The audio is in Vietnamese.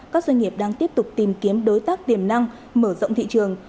các doanh nghiệp đang tiếp tục tìm kiếm đối tác tiềm năng mở rộng thị trường